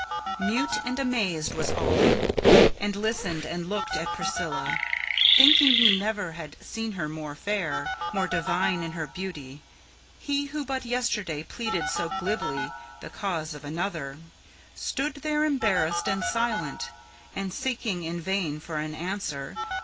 Mute and amazed was Alden; and listened and looked at Priscilla, Thinking he never had seen her more fair, more divine in her beauty. He who but yesterday pleaded so glibly the cause of another, Stood there embarrassed and silent, and seeking in vain for an answer.